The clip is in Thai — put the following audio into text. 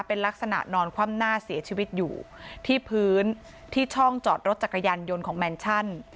เป็นลักษณะนอนคว่ำหน้าเสียชีวิตอยู่ที่พื้นที่ช่องจอดรถจักรยานยนต์ของแมนชั่น